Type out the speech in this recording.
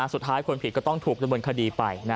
สุดท้ายคนผิดก็ต้องถูกดำเนินคดีไป